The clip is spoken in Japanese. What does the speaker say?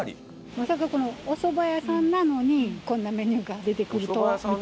まさかおそば屋さんなのにこんなメニューが出てくるとはみたいな。